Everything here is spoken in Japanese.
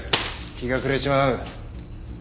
日が暮れちまう。